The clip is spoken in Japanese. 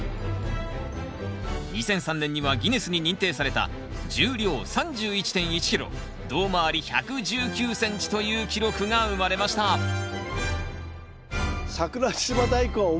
２００３年にはギネスに認定された重量３１．１ｋｇ胴回り１１９ｃｍという記録が生まれました桜島大根は重さ！